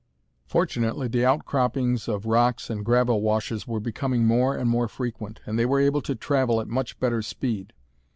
Fortunately the outcroppings of rocks and gravel washes were becoming more and more frequent, and they were able to travel at much better speed.